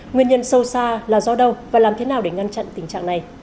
nguyên nhân sâu xa là do đâu và làm thế nào để ngăn chặn tình trạng này